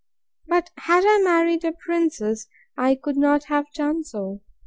But, had I married a princess, I could not have done so.